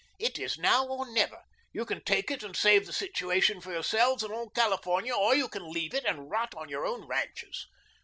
"It is now or never. You can take it and save the situation for yourselves and all California or you can leave it and rot on your own ranches.